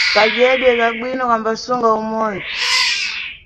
Kadyedwe ka bwino kambasunga umoyo.